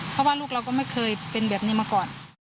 เพราะว่าลูกเราก็ไม่เคยเป็นแบบนี้มาก่อน